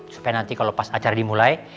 supaya nanti kalau pas acara dimulai